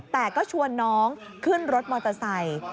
แต่ก็ชวนน้องขึ้นรถมอเตอร์ไซค์